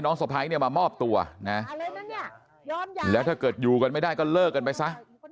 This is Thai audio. น้องสะไพรมามอบตัวแล้วเกิดอยู่กันไม่ได้ก็เลิกกันไปซะ